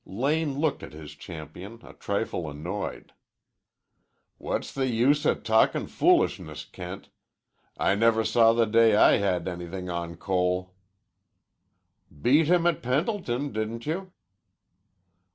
Lane looked at his champion, a trifle annoyed. "What's the use o' talkin' foolishness, Kent? I never saw the day I had anything on Cole." "Beat him at Pendleton, didn't you?"